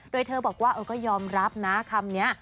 โดยเธอบอกว่าก็ยอมรับนะคำนี้